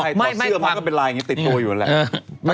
ใช่เพราะเสื้อมันก็เป็นลายอย่างนี้ติดโทรอยู่นั่นแหละ